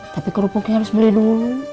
tapi kerupuknya harus beli dulu